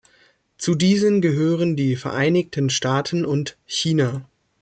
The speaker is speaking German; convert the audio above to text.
Zu diesen gehören die Vereinigten Staaten und China.